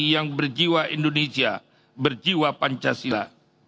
yang berjiwa indonesia berjiwa pancasila